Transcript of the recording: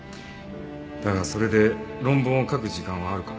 だがそれで論文を書く時間はあるか？